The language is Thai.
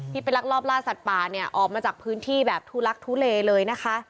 ที่เป็นรักลอบล่าสัตว์ป่าออกมาจากพื้นที่แบบทุลักษณ์ทุเลเลย